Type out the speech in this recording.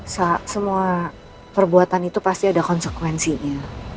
semua perbuatan itu pasti ada konsekuensinya